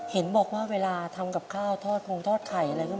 เห็นบอกว่าเวลาทำกับข้าวทอดคงทอดไข่อะไรก็